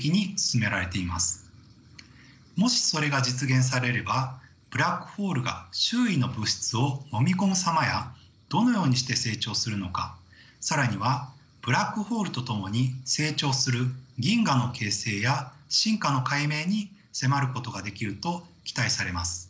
もしそれが実現されればブラックホールが周囲の物質をのみ込む様やどのようにして成長するのか更にはブラックホールと共に成長する銀河の形成や進化の解明に迫ることができると期待されます。